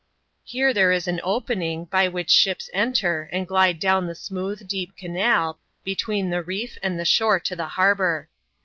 Here there is an opening, by which ships enter, and glide down the smooth, deep canal, between the reef and the shore to the harbour.